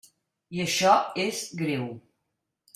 I això és greu.